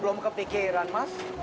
belom kepikiran mas